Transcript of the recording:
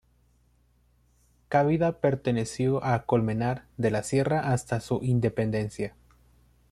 Cabida perteneció a Colmenar de la Sierra hasta su independencia.